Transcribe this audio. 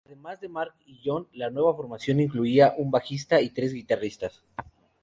Además de Mark y John, la nueva formación incluía un bajista y tres guitarristas.